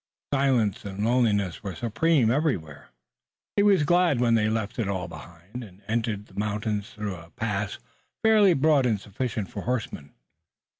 Silence and loneliness were supreme everywhere. He was glad when they left it all behind, and entered the mountains through a pass fairly broad and sufficient for horsemen.